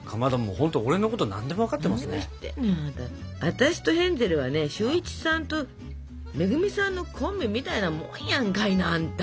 私とヘンゼルはね俊一さんと恵さんのコンビみたいなもんやんかいなあんた。